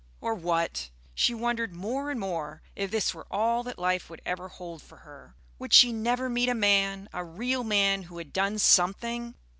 or what? she wondered more and more if this were all that life would ever hold for her. Would she never meet a man, a real man who had done something?